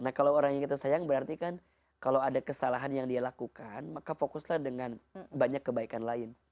nah kalau orang yang kita sayang berarti kan kalau ada kesalahan yang dia lakukan maka fokuslah dengan banyak kebaikan lain